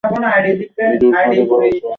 ইঁদুর ফাঁদে পড়েছে!